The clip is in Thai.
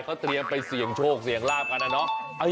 เขาเตรียมไปเสี่ยงโชคเสี่ยงลาบกันนะเนาะ